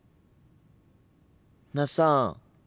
那須さん。